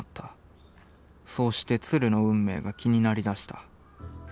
そうして鶴の運命が気になりだした。